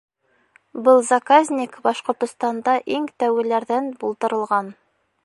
Был заказник Башҡортостанда иң тәүгеләрҙән булдырылған.